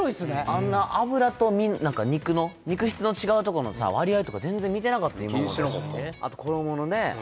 あんな脂と何か肉の肉質の違うとこのさ割合とか全然見てなかった今まで・気にしてなかったあと衣のね